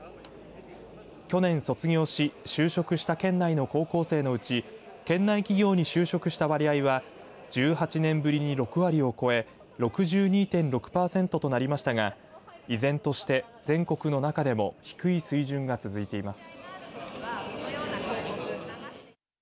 去年卒業し就職した県内の高校生のうち県内企業に就職した割合は１８年ぶりに６割を超え６２．６パーセントとなりましたが依然として全国の中でも低い水準が続いています。